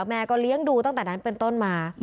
แม่ก็เลี้ยงดูตั้งแต่นั้นเป็นต้นมา